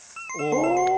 お！